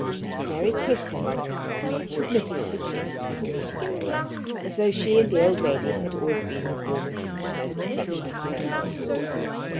Mary kissed her mother in law and submitted to be kissed with a pretty grace, as though she and the old lady had always been the warmest, most affectionate friends.